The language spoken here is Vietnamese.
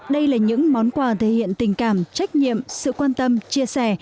đây là những món quà thể hiện tình cảm trách nhiệm sự quan tâm chia sẻ